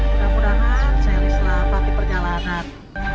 mudah mudahan selly selamat di perjalanan